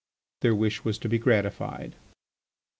Their wish was to be gratified. IV.